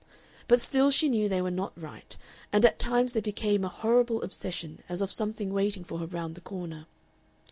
But still she knew they were not right, and at times they became a horrible obsession as of something waiting for her round the corner.